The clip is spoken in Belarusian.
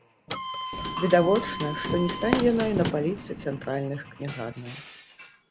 Відавочна, што не стане яна і на паліцы цэнтральных кнігарняў.